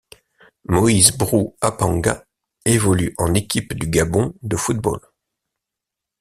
Moïse Brou Apanga évolue en équipe du Gabon de football.